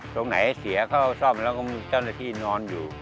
ตรงไหนเสียเข้าซ่อมแล้วก็มีเจ้าหน้าที่นอนอยู่